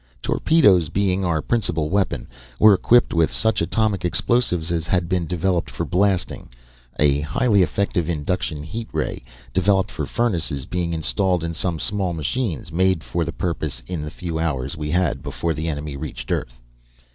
Torpedoes, being our principal weapon, were equipped with such atomic explosives as had been developed for blasting, a highly effective induction heat ray developed for furnaces being installed in some small machines made for the purpose in the few hours we had before the enemy reached Earth.